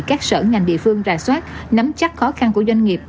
các sở ngành địa phương ra soát nắm chắc khó khăn của doanh nghiệp